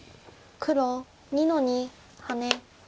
黒２の二ハネ。